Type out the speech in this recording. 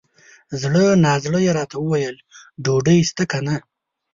زړه نا زړه یې راته وویل ! ډوډۍ سته که نه؟